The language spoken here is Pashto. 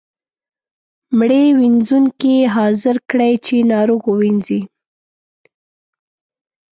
مړي وينځونکی حاضر کړئ چې ناروغ ووینځي.